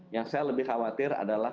yang saya lebih khawatir adalah